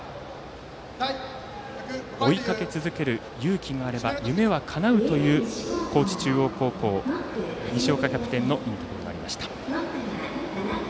「追いかけ続ける勇気さえあれば夢はかなう」という高知中央高校、西岡キャプテンのインタビューもありました。